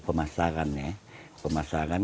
pemasaran ya pemasaran